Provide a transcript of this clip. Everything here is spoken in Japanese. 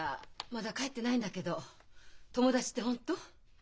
まだ帰ってないんだけど友達って本当？